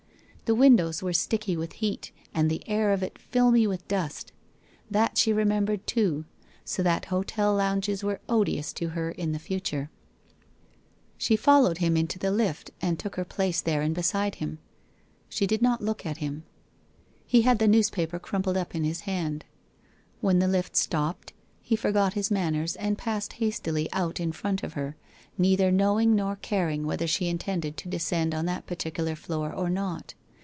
The windows were sticky with heat and the air of it filmy with dust. That she remembered too, so that hotel lounges were odious to her in future. WHITE ROSE OF WEARY LEAF 21 She followed him into the lift, and took her place therein beside him. She did not look at him. He had the news paper crumpled up in his hand. When the lift stopped, he forgot his manners and passed hastily out in front of her, neither knowing nor caring whether she intended to de scend on that particular floor or not.